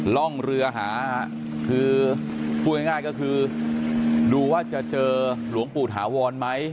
ร่องเรือหาคือพูดง่ายก็คือดูว่าจะเจอหลวงปู่ถาวรไหม